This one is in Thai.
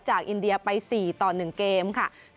อินเดียไป๔ต่อ๑เกมค่ะ